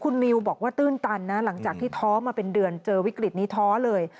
คุณนิวบอกว่าตื้นตันนะหลังจากที่ท้อมาเป็นเดือนเจอวิกฤตนี้ท้อเลย